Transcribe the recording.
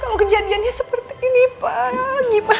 kemana mereka sampai ke dinding itu